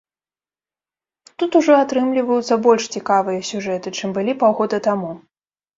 Тут ужо атрымліваюцца больш цікавыя сюжэты, чым былі паўгода таму.